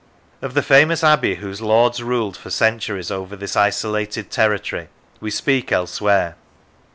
Of the famous abbey whose lords ruled for centuries over this isolated territory we speak elsewhere.